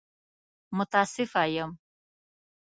متاسفه يم!